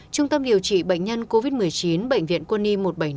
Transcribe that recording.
trung tâm điều trị bệnh nhân covid một mươi chín bệnh viện quân y một trăm bảy mươi năm